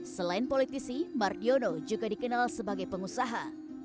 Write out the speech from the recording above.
selain politisi mardiono juga dikenal sebagai pengusaha